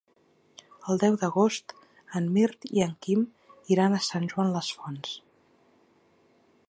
El deu d'agost en Mirt i en Quim iran a Sant Joan les Fonts.